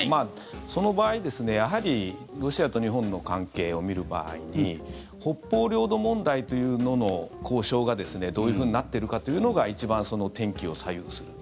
その場合、やはりロシアと日本の関係を見る場合北方領土問題というのの交渉がどういうふうになっているかというのが一番、天気を左右する。